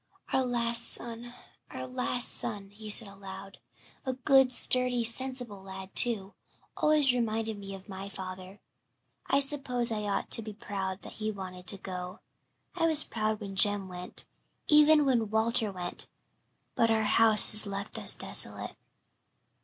"Our last son our last son," he said aloud. "A good, sturdy, sensible lad, too. Always reminded me of my father. I suppose I ought to be proud that he wanted to go I was proud when Jem went even when Walter went but 'our house is left us desolate.'"